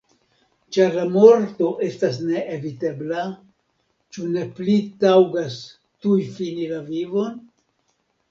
Ĉar la morto estas neevitebla, ĉu ne pli taŭgas tuj fini la vivon?